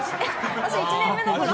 私、１年目のころ